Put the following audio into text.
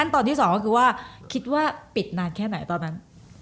ตอนที่๒ก็คือว่าคิดว่าปิดนานแค่ไหนตอนนั้น